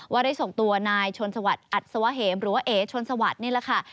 ได้ส่งตัวนายชนสวัสดิ์อัศวะเหมหรือว่าเอ๋ชนสวัสดิ์นี่แหละค่ะ